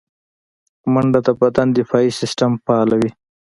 منډه د بدن دفاعي سیستم فعالوي